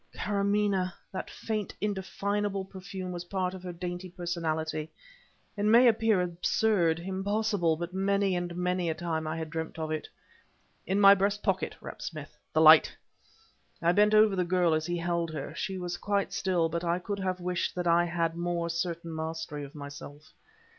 Karamaneh! that faint, indefinable perfume was part of her dainty personality; it may appear absurd impossible but many and many a time I had dreamt of it. "In my breast pocket," rapped Smith; "the light." I bent over the girl as he held her. She was quite still, but I could have wished that I had had more certain mastery of myself.